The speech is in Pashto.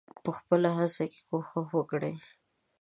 په خپله هڅه کې کوښښ وکړئ.